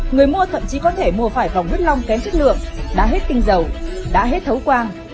người mua thậm chí có thể mua phải vòng huyết lòng kém chất lượng đã hết kinh dầu đã hết thấu quang